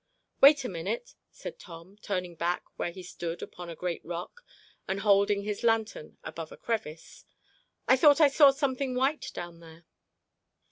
"Wait a minute," said Tom, turning back where he stood upon a great rock and holding his lantern above a crevice. "I thought I saw something white down there."